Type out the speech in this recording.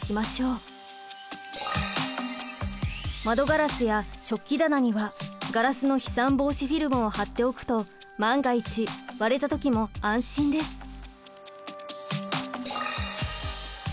窓ガラスや食器棚にはガラスの飛散防止フィルムを貼っておくと万が一割れた時も安心です。